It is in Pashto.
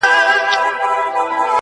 د کلي دې ظالم ملا سيتار مات کړی دی